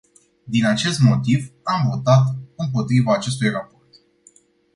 Din acest motiv, am votat împotriva acestui raport.